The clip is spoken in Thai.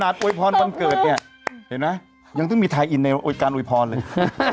ถ้านัดโอ๊ยพรรณพันเกิดเนี่ยเห็นไหมยังถึงมีไทยอินในโอกาสโอ๊ยพรรณเลย